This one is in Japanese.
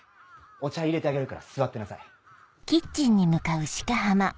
お茶入れてあげるから座ってなさい。